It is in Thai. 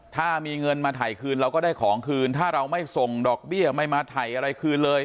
ถ้ามีเงินมาถ่ายคืนเราก็ได้ของคืนถ้าเราไม่ส่งดอกเบี้ยไม่มาถ่ายอะไรคืนเลย